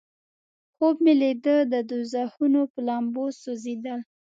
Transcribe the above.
خوب مې لیده د دوزخونو په لمبو سوځیدل.